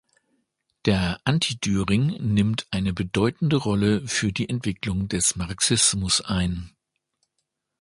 Der "„Anti-Dühring“" nimmt eine bedeutende Rolle für die Entwicklung des Marxismus ein.